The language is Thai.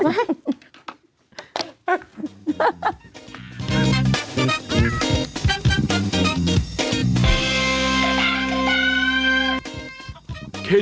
จัดการ